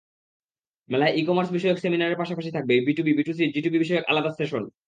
মেলায় ই-কমার্স বিষয়ক সেমিনারের পাশাপাশি থাকবে বিটুবি, বিটুসি, জিটুবি বিষয়ক আলাদা সেশন।